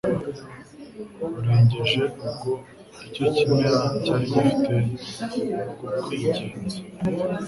burengeje ubwo icyo kirema cyari gifite bwo kwigenza